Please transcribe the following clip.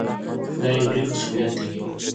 دا یو لوی مسؤلیت دی.